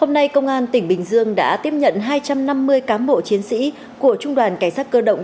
hôm nay công an tỉnh bình dương đã tiếp nhận hai trăm năm mươi cán bộ chiến sĩ của trung đoàn cảnh sát cơ động